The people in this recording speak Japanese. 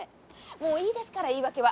もういいですから言い訳は。